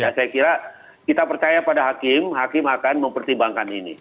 ya saya kira kita percaya pada hakim hakim akan mempertimbangkan ini